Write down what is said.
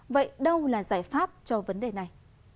vậy đâu là giải pháp cho vấn đề này